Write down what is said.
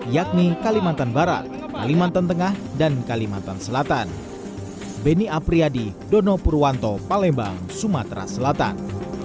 yakni kalimantan barat kalimantan tengah dan kalimantan selatan